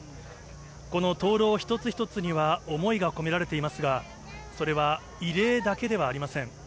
この灯籠一つ一つには、思いが込められていますが、それは、慰霊だけではありません。